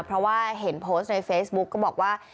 เพราะว่าเวสบุ๊คก็บอกว่า